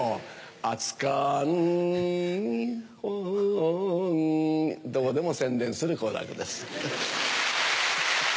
熱燗二本どこでも宣伝する好楽です。